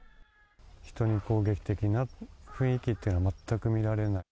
人に攻撃的な雰囲気っていうのは、全く見られない。